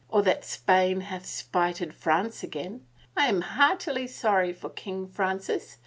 Or that Spain hath spited France again. I am heartily sorry for King Francis.